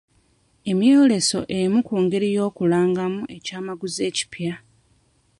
Emyoleso emu ku ngeri ey'okulangamu aky'amaguzi ekipya.